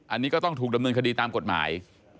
อันนี้ก็ต้องถูกดำเนินคดีตามกฎหมาย